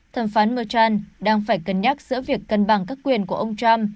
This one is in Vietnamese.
thẩm phán murchan đang phải cân nhắc giữa việc cân bằng các quyền của ông trump